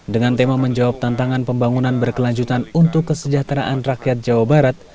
dengan tema menjawab tantangan pembangunan berkelanjutan untuk kesejahteraan rakyat jawa barat